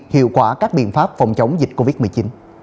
hiệu quả các biện pháp phòng chống dịch covid một mươi chín